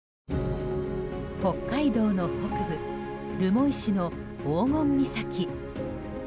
北海道の北部留萌市の黄金岬。